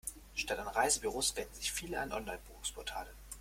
Statt an Reisebüros wenden sich viele an Online-Buchungsportale.